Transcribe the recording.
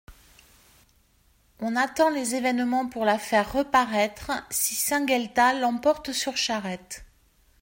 On attend les événements pour la faire reparaître, si Saint-Gueltas l'emporte sur Charette.